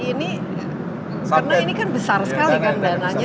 ini karena ini kan besar sekali kan dananya